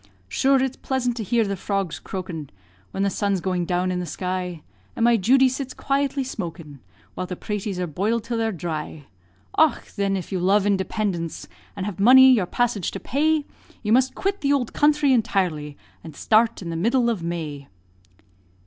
Shure, it's pleasant to hear the frogs croakin', When the sun's going down in the sky, And my Judy sits quietly smokin' While the praties are boil'd till they're dhry. Och! thin, if you love indepindence, And have money your passage to pay, You must quit the ould counthry intirely, And start in the middle of May.